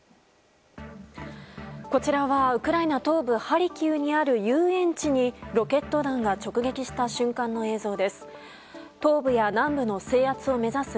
こちらはウクライナ東部ハリキウにある遊園地にロケット弾が直撃した瞬間の映像です。